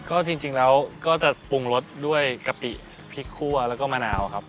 ก็จริงแล้วก็จะปรุงรสด้วยกะปิพริกคั่วแล้วก็มะนาวครับ